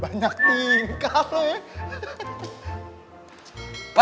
banyak tingkah lo ya